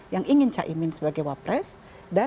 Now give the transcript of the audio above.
yang ingin cak imin sebagai wakil presiden